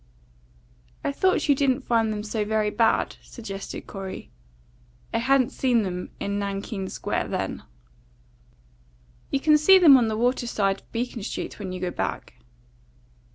"I thought you didn't find them so very bad," suggested Corey. "I hadn't seen them in Nankeen Square then." "You can see them on the water side of Beacon Street when you go back."